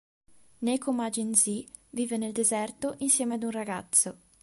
Neko Majin Z vive nel deserto insieme ad un ragazzo.